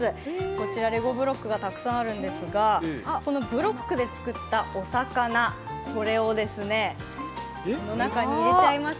こちらレゴブロックがたくさんあるんですが、ブロックで作ったお魚をこの中に入れちゃいます。